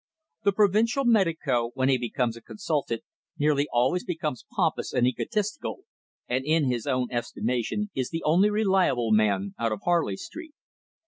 The provincial medico, when he becomes a consultant, nearly always becomes pompous and egotistical, and in his own estimation is the only reliable man out of Harley Street.